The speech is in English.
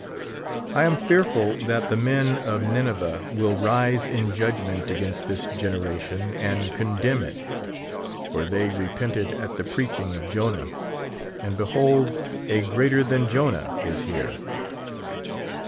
I am fearful that the men of Ninevah will rise in judgment against this generation, and condemn it ; for they repented at the preaching of Jonah ; and behold, a greater than Jonah is here.